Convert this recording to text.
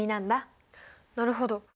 なるほど。